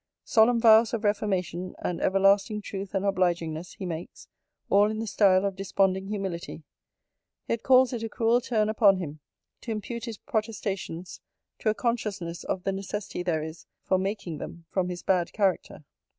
'Solemn vows of reformation, and everlasting truth and obligingness, he makes; all in the style of desponding humility: yet calls it a cruel turn upon him, to impute his protestations to a consciousness of the necessity there is for making them from his bad character.